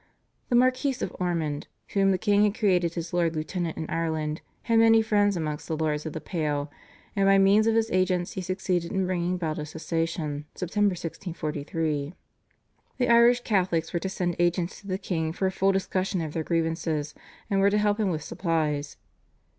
The Marquis of Ormond, whom the king had created his Lord Lieutenant in Ireland, had many friends amongst the Lords of the Pale, and by means of his agents he succeeded in bringing about a cessation (Sept. 1643). The Irish Catholics were to send agents to the king for a full discussion of their grievances, and were to help him with supplies.